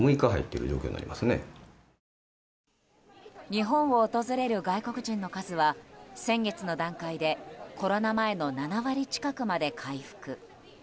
日本を訪れる外国人の数は先月の段階でコロナ前の７割近くまで回復。